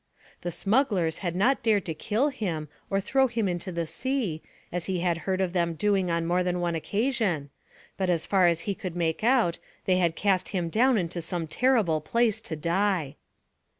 The smugglers had not dared to kill him or throw him into the sea, as he had heard of them doing on more than one occasion, but as far as he could make out they had cast him down into some terrible place to die.